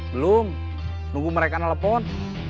belum nunggu mereka nelfon